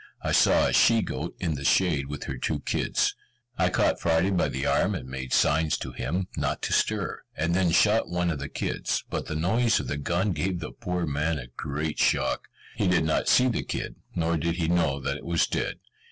I saw a she goat, in the shade, with her two kids. I caught Friday by the arm, and made signs to him not to stir, and then shot one of the kids; but the noise of the gun gave the poor man a great shock. He did not see the kid, nor did he know that it was dead.